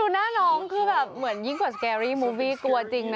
ดูหน้าน้องคือแบบหยิ่งกว่าสเกอรี่ฮีวีกลัวจริงนะคะ